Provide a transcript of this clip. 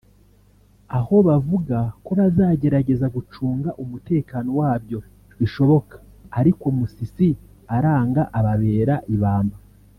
aho bavuga ko bazagerageza gucunga umutekano wa byo bishoboka ariko Musisi aranga ababera ibamba